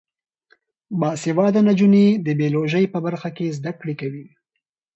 باسواده نجونې د بیولوژي په برخه کې زده کړې کوي.